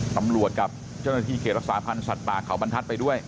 กับเจ้าหน้าที่เขตรักษาพันธ์สัตว์ป่าเขาบรรทัศน์ไปด้วย